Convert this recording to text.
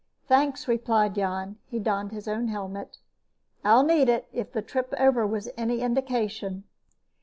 "Thanks," replied Jan. He donned his own helmet. "I'll need it, if the trip over was any indication."